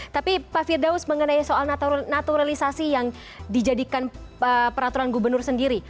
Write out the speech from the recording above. tapi pak firdaus mengenai soal naturalisasi yang dijadikan peraturan gubernur sendiri